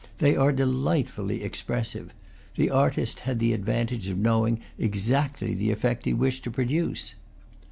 They are delightfully expressive; the artist had the advantage of knowing exactly the effect he wished to produce.